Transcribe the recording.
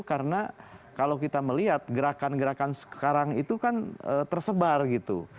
karena kalau kita melihat gerakan gerakan sekarang itu kan tersebar gitu